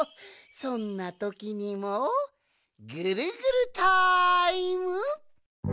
そんなときにもぐるぐるタイム！